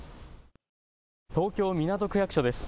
東京、港区役所です。